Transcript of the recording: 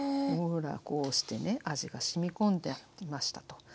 ほらこうしてね味がしみ込んできましたと。